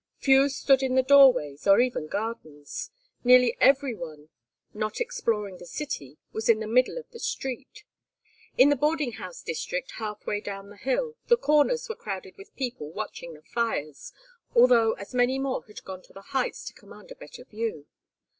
Few stood in the doorways, or even gardens; nearly every one not exploring the city was in the middle of the street. In the boarding house district, half way down the hill, the corners were crowded with people watching the fires, although as many more had gone to the heights to command a better view.